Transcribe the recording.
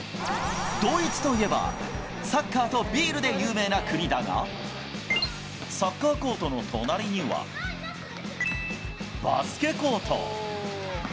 ドイツといえば、サッカーとビールで有名な国だが、サッカーコートの隣には、バスケコート。